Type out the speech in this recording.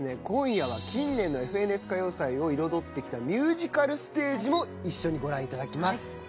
今夜は近年の『ＦＮＳ歌謡祭』を彩ってきたミュージカルステージも一緒にご覧いただきます。